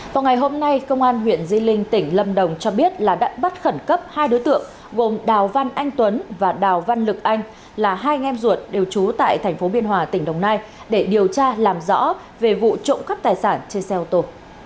vào ngày hôm nay công an huyện di linh tỉnh lâm đồng cho biết là đã bắt khẩn cấp hai đối tượng gồm đào văn anh tuấn và đào văn lực anh là hai anh em ruột đều trú tại thành phố biên hòa tỉnh đồng nai để điều tra làm rõ về vụ trộm cắp tài sản trên xe ô tô